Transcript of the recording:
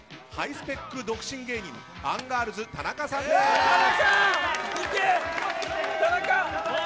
ハイスペック独身芸人アンガールズ、田中さんです。